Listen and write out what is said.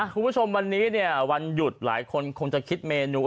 คุณผู้ชมวันนี้เนี่ยวันหยุดหลายคนคงจะคิดเมนู